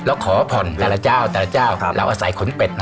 แล้วขอผ่อนแต่ละเจ้าเราใส่ขนเบ็ด